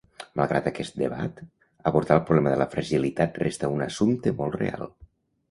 Malgrat aquest debat, abordar el problema de la fragilitat resta un assumpte molt real.